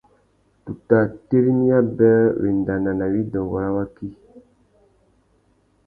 Tu tà tirimiya being wendana na widôngô râ waki.